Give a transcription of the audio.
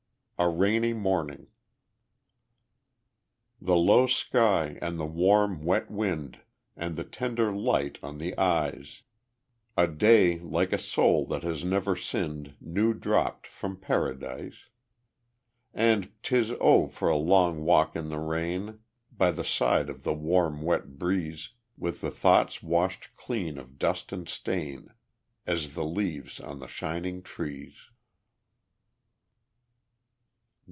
A Rainy Morning The low sky, and the warm, wet wind, And the tender light on the eyes; A day like a soul that has never sinned, New dropped from Paradise. And 'tis oh, for a long walk in the rain, By the side of the warm, wet breeze, With the thoughts washed clean of dust and stain As the leaves on the shining trees.